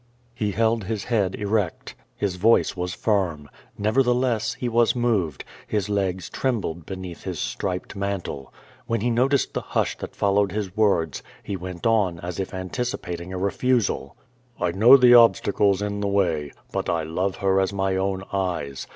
" j He held his head erect. His voice was firm. Xevertheless r he was moved. His legs trembled beneath his striped man tle. When he noticed the hush that followed his words, he went on as if anticipating a refusal: "I know the obstacles in the way. But I love her as my own eyes.